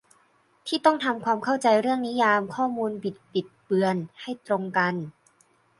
ที่ต้องทำความเข้าใจเรื่องนิยามข้อมูลบิดบิดเบือนให้ตรงกัน